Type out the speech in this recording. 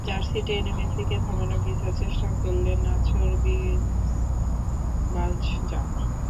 Jersey টেনে ধরে মেসিকে থামানোর বৃথা চেষ্টা করতে লাগলেন নাছোড় ভিলমস ভাঞ্চজাক।